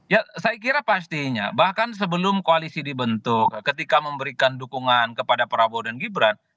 ya saya kira pastinya bahkan sebelum koalisi dibentuk ketika memberikan dukungan kepada prabowo dan gibran